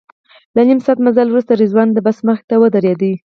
له نیم ساعت مزل وروسته رضوان د بس مخې ته ودرېد.